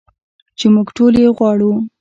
چې موږ ټول یې غواړو.